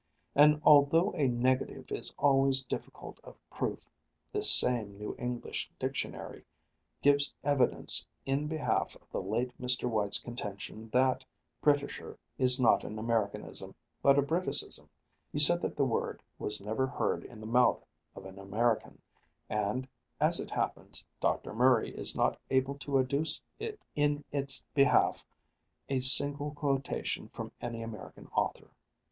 And although a negative is always difficult of proof, this same New English Dictionary gives evidence in behalf of the late Mr. White's contention that Britisher is not an Americanism, but a Briticism; he said that the word was never heard in the mouth of an American, and, as it happens, Dr. Murray is not able to adduce in its behalf a single quotation from any American author.